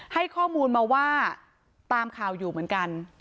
ให้ข้อมูลมาว่าตามข่าวอยู่เหมือนกัน